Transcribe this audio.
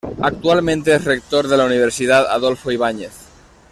Actualmente es rector de la Universidad Adolfo Ibáñez.